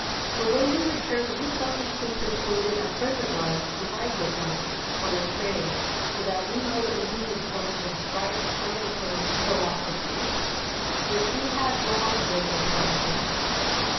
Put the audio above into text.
For when we returned we selfishly persuaded a friend of ours to ride with us on the train so that we might imbibe some of his ripe orotund philosophy, which we had long been deprived of.